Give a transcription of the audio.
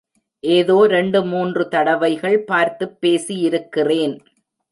ஏதோ ரெண்டு மூன்று தடவைகள் பார்த்துப் பேசியிருக்கிறேன்.